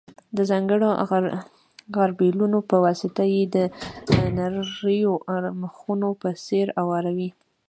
د ځانګړو غربیلونو په واسطه یې د نریو مخونو په څېر اواروي.